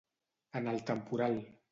En el temporal.